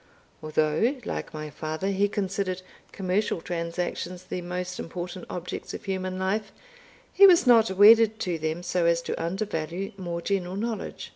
Although, like my father, he considered commercial transactions the most important objects of human life, he was not wedded to them so as to undervalue more general knowledge.